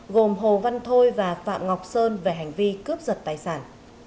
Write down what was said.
gồm hồ văn thôi và phạm ngọc sơn về hành vi cướp giật tài sản